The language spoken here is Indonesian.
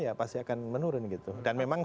ya pasti akan menurun gitu dan memang